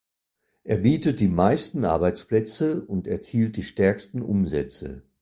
Er bietet die meisten Arbeitsplätze und erzielt die stärksten Umsätze.